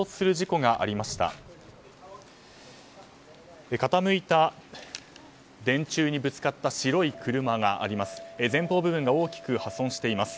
傾いた電柱にぶつかった白い車があります。